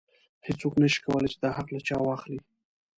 هیڅوک نشي کولی چې دا حق له چا واخلي.